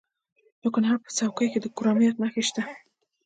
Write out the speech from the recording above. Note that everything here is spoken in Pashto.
د کونړ په څوکۍ کې د کرومایټ نښې شته.